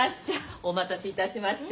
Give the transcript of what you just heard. お待たせいたしまして。